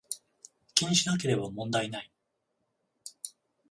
気にしなければ問題無い